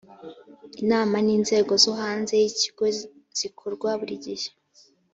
inama n’inzego zo hanze y’ikigo zikorwa buri gihe